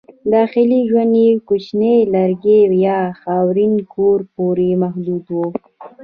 داخلي ژوند یې کوچني لرګین یا خاورین کور پورې محدود و.